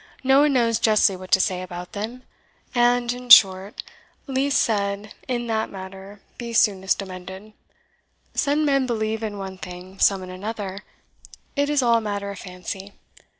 No one knows justly what to say about them; and, in short, least said may in that matter be soonest amended. Some men believe in one thing, some in another it is all matter of fancy.